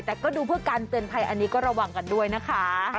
แต่ก็ดูเพื่อการเตือนภัยอันนี้ก็ระวังกันด้วยนะคะ